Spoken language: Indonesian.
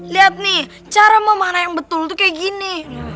lihat nih cara memanah yang betul tuh kayak gini